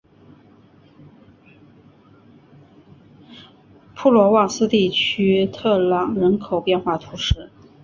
普罗旺斯地区特朗人口变化图示